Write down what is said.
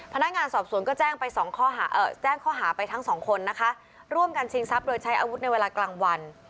พนักงานสอบศูนย์ก็แจ้งข้อหาไปทั้ง๒คนร่วมกันชิงทรัพย์โดยใช้อาวุธในเวลากลางวัน